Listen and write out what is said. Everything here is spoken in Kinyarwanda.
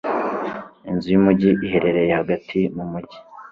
inzu yumujyi iherereye hagati mu mujyi